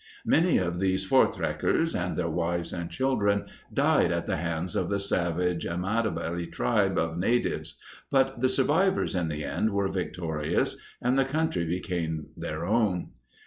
Many of these voortrekkers, and their wives and children, died at the hands of the savage Amatabele tribe of natives; but the survivors in the end were victorious, and the country became their own.